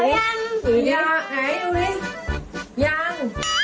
หน่ายัง